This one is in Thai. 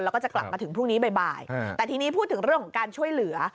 แล้วก็จะกลับมาถึงพรุ่งนี้บ่ายแต่ทีนี้พูดถึงเรื่องของการช่วยเหลือ